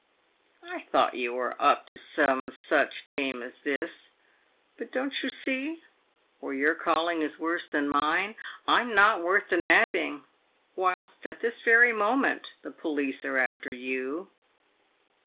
I thought you were up to some such game as this. But don't you see where your calling is worse than mine ? I'm not worth the nabbing ; whilst at this very moment the police are after you.